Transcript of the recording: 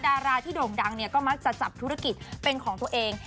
ดาราที่โด่งดังเนี่ยก็มักจะจับธุรกิจเป็นของตัวเอง